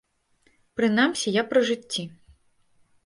Прынамсі я пры жыцці.